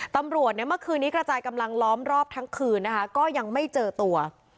ตำรวจเนี่ยเมื่อคืนนี้กระจายกำลังล้อมรอบทั้งคืนนะคะก็ยังไม่เจอตัว